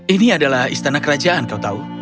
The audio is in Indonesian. ini adalah istana kerajaan kau tahu